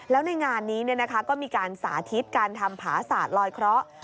แล้วในงานนี้ก็มีการสาธิตการทำผาศาสตร์ลอยเคราะห์